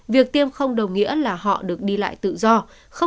việc tiêm không đồng nghĩa là họ được đi lại tự do